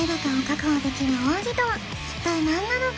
一体何なのか？